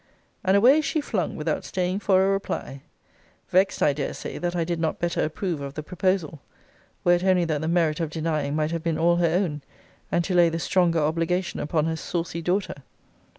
And away she flung, without staying for a reply. Vexed, I dare say, that I did not better approve of the proposal were it only that the merit of denying might have been all her own, and to lay the stronger obligation upon her saucy daughter.